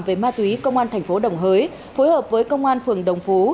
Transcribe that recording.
về ma túy công an thành phố đồng hới phối hợp với công an phường đồng phú